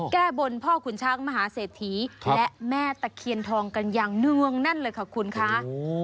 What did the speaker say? แก้บนพ่อขุนช้างมหาเศรษฐีและแม่ตะเคียนทองกันอย่างเนื่องแน่นเลยค่ะคุณคะ